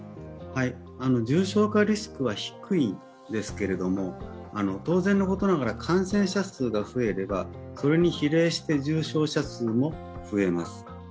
重症化リスクは低いですけれども、当然のことながら感染者数が増えれば、それに比例して重症者数も増えます。